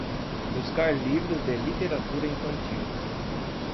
Buscar livros de literatura infantil